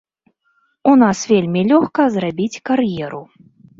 У нас вельмі лёгка зрабіць кар'еру.